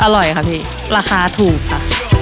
อร่อยค่ะพี่ราคาถูกค่ะ